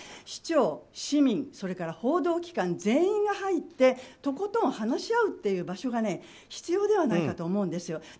市長、市民、それから報道機関全員が入ってとことん話し合うという場所が必要ではないかと思うんですよ。